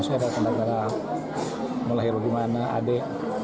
ada tanda tanda melahir gimana adik